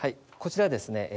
こちらですね。